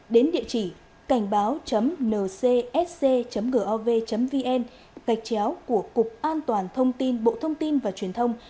đến địa chỉ cảnh báo ncsc gov vn gạch chéo của cục an toàn thông tin bộ thông tin và truyền thông